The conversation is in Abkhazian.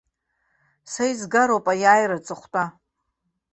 Са изгароуп аиааира аҵыхәтәа!